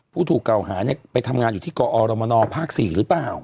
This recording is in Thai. ผู้ถูกเก่าหาเนี่ยไปทำงานอยู่ที่กอรมนภ๔หรือเปล่า